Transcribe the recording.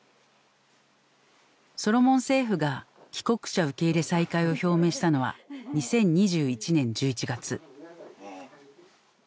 ソロモン政府が帰国者受け入れ再開を表明したのは２０２１年１１月。